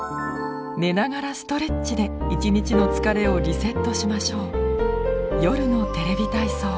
寝ながらストレッチで１日の疲れをリセットしましょう。